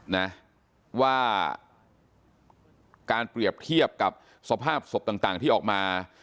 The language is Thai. นะว่าการเปรียบเทียบกับสภาพศพต่างที่ออกมา